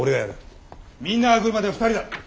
みんなが来るまで２人だ。